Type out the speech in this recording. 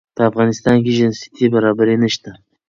په افغانستان کې جنسيتي برابري نشته